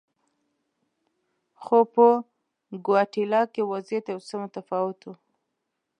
خو په ګواتیلا کې وضعیت یو څه متفاوت و.